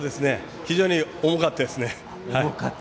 非常に重かったですね。